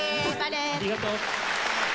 ありがとう！